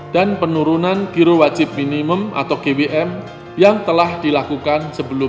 dan penurunan giro wajib minimum atau gwm yang telah dilakukan